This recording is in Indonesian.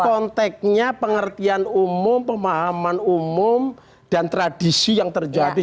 konteksnya pengertian umum pemahaman umum dan tradisi yang terjadi